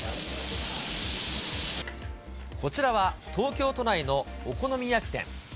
こちらは、東京都内のお好み焼き店。